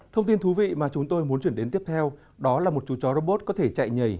thông tin thú vị mà chúng tôi muốn chuyển đến tiếp theo đó là một chú chó robot có thể chạy nhảy